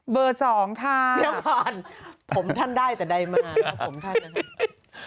เบอร์สองค่ะพี่พร้อมผมท่านได้แต่ได้มาผมท่านว่าเป็นไง